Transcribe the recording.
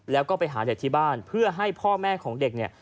แล้วก็ไปหาเด็กที่บ้านเพื่อให้พ่อแม่ของเด็กเนี่ย